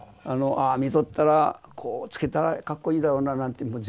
ああ見とったらこうつけたらかっこいいだろうななんて